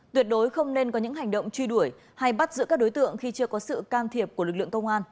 tuyệt đối không nên có những hành động truy đuổi hay bắt giữ các đối tượng khi chưa có sự can thiệp của lực lượng công an